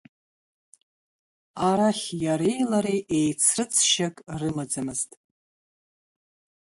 Арахь иареи лареи еицрыҵшьак рымаӡамызт.